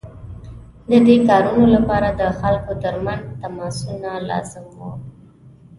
د دې کارونو لپاره د خلکو ترمنځ تماسونه لازم وو.